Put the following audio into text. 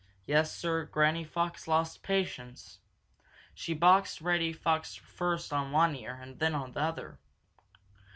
Yes, Sir, Granny Fox lost patience. She boxed Reddy Fox first on one ear and then on the other.